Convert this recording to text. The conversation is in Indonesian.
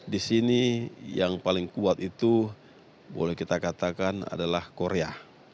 di sini yang paling kuat itu boleh kita katakan adalah korea